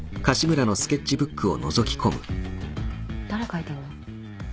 誰描いてんの？